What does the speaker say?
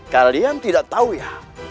kalian tidak tahu ya